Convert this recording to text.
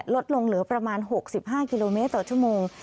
ลดลงเหลือประมาณ๖๕กิโลเมตรต่อชั่วโมง